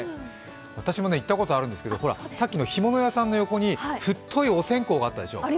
私も行ったことあるんですけど干物屋さんの横に太いお線香があったでしょう？